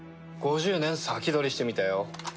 ５０年先取りしてみたよ。